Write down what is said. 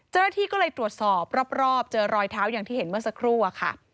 เจ้าหน้าที่ก็เลยตรวจสอบรอบเจอรอยเท้าอย่างที่เห็นเมื่อสักครู่อะค่ะ